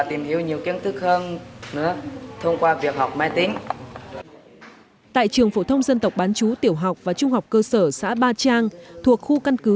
tại trường phổ thông dân tộc bán chú tiểu học và trung học cơ sở xã ba trang thuộc khu căn cứ